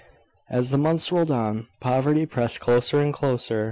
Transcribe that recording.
As the months rolled on, poverty pressed closer and closer.